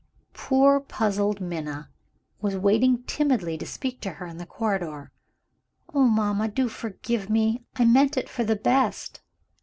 Poor puzzled Minna was waiting timidly to speak to her in the corridor. "Oh mamma, do forgive me! I meant it for the best."